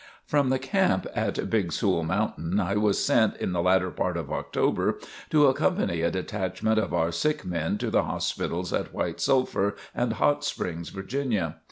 From the camp at Big Sewell Mountain I was sent, in the latter part of October to accompany a detachment of our sick men to the hospitals at White Sulphur and Hot Springs, Virginia.